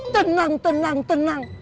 tenang tenang tenang